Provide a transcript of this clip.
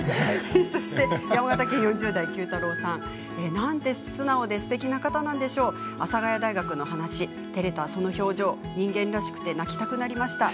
そして山形県４０代の方なんて素直ですてきな方なんでしょう、阿佐ヶ谷大学の話でてれた表情、人間らしくて泣きたくなりました。